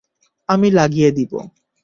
আমি লাগিয়ে দিবো।